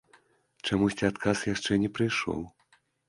Чамусьці адказ яшчэ не прыйшоў.